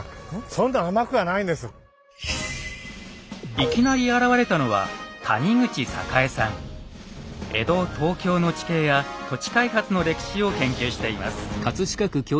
いきなり現れたのは江戸東京の地形や土地開発の歴史を研究しています。